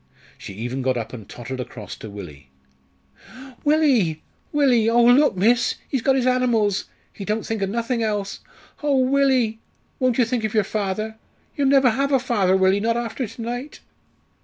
She even got up and tottered across to Willie. "Willie! Willie! Oh! look, miss, he's got his animals he don't think of nothing else. Oh, Willie! won't you think of your father? you'll never have a father, Willie, not after to night!"